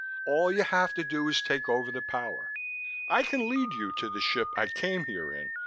All you have to do is take over the power. I can lead you to the ship I came here in.